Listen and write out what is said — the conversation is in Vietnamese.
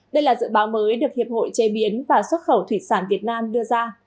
đây là dự báo mới được hiệp hội chế biến và xuất khẩu thủy sản việt nam đưa ra